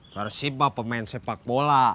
persib mah pemain sepak bola